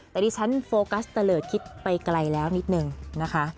แต่ดิฉันโฟกัสเตลิศคิดไปไกลแล้วนิดนึงนะคะ